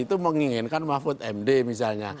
itu menginginkan mahfud md misalnya